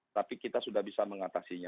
tapi kita sudah bisa mengatasinya